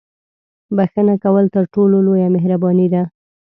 • بښنه کول تر ټولو لویه مهرباني ده.